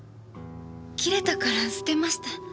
切れたから捨てました。